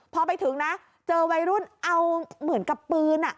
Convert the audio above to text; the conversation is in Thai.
พอไปถึงนะเจอวัยรุ่นเอาเหมือนกับปืน